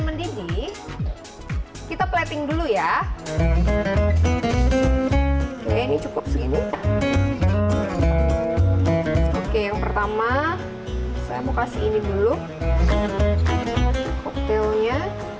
mendidih kita plating dulu ya oke ini cukup segini oke yang pertama saya mau kasih ini dulunya